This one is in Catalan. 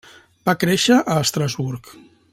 Va créixer a Estrasburg.